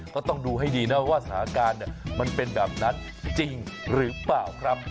ต้องดูให้ดีนะว่าสถานการณ์มันเป็นแบบนั้นจริงหรือเปล่าครับ